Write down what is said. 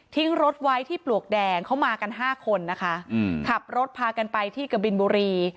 รถไว้ที่ปลวกแดงเขามากันห้าคนนะคะขับรถพากันไปที่กะบินบุรี